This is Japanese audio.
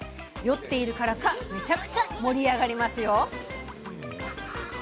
酔っているからかめちゃくちゃ盛り上がりますよ。